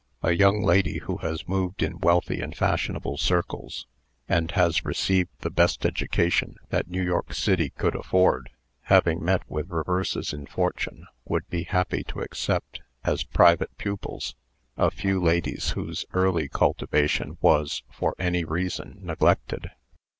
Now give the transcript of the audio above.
A young lady who has moved in wealthy and fashionable circles, and has received the best education that New York city could afford, having met with reverses in fortune, would be happy to accept, as private pupils, a few ladies whose early cultivation was, for any reason, neglected.